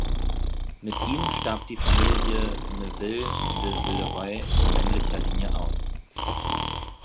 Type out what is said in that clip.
Mit ihm starb die Familie Neufville de Villeroy in männlicher Linie aus.